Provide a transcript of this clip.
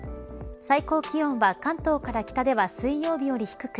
最高気温は関東から北では水曜日より低く